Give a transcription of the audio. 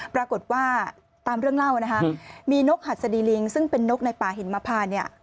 ปรากฏว่าตามเรื่องเล่านะคะมีนกหัสดีลิงซึ่งเป็นนกในป่าหินมพาเนี่ย